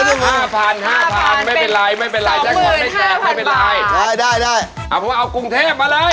ได้เพราะเอากรุงเทพฯมาเลย